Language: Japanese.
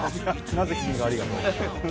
なぜ君がありがとう？